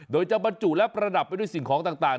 โดยจะบรรจุและประดับไปด้วยสิ่งของต่าง